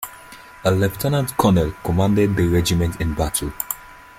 A lieutenant-colonel commanded the regiment in battle.